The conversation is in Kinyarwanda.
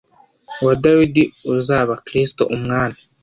wa Dawidi uzaba Kristo Umwami